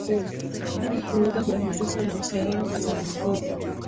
Hili kuweza kuraisisha maisha yao juu ya kile wanachokipenda